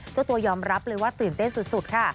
เจ้าตัวยอมรับเลยว่าตื่นเต้นสุดค่ะ